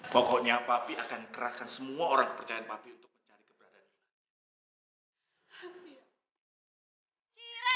pokoknya papi akan kerahkan semua orang kepercayaan papi untuk mencari keberadaan unit